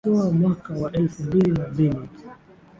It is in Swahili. outoa mwaka wa elfu mbili na mbili